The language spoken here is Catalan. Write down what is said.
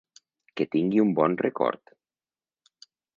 Que tingui un bon record.